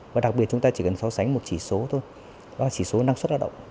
và đặc biệt chúng ta chỉ cần so sánh một chỉ số thôi đó là chỉ số năng suất lao động